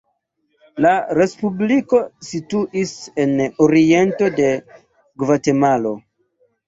La respubliko situis en oriento de Gvatemalo.